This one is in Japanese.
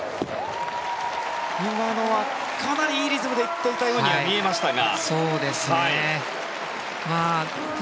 今のはかなりいいリズムで行っていたようには見えましたが。